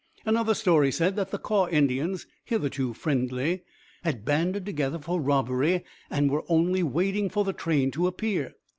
Another story said that the Kaw Indians, hitherto friendly, had banded together for robbery and were only waiting for the train to appear.